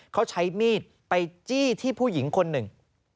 เขาใช้มีดไปจี้ที่ผู้หญิงคนหนึ่ง